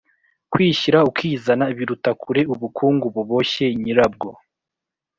kwishyira ukizana biruta kure ubukungu buboshye nyirabwo. “